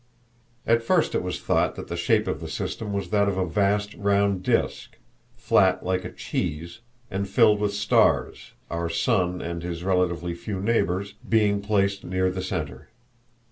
At first it was thought that the shape of the system was that of a vast round disk, flat like a cheese, and filled with stars, our sun and his relatively few neighbors being placed near the center.